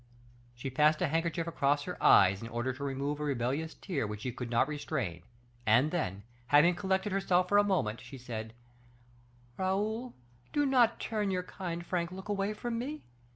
She passed a handkerchief across her eyes, in order to remove a rebellious tear which she could not restrain; and then, having collected herself for a moment, she said, "Raoul, do not turn your kind, frank look away from me.